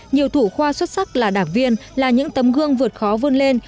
nhiều thủ khoa xuất sắc là đảng viên là những tấm gương vượt khó vươn lên